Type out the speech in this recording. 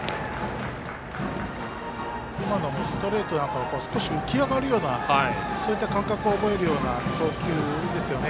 今のも、ストレートですが少し浮き上がるようなそういった感覚を覚えるような投球ですよね。